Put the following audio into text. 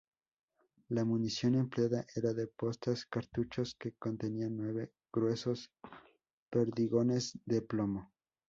La munición empleada era de postas, cartuchos que contienen nueve gruesos perdigones de plomo.